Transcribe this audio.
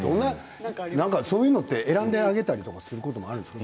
そういうのって選んであげたりすることあるんですか？